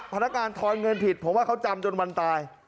พนักงานทอนเงินผิดผมว่าเขาจำจนวันตาย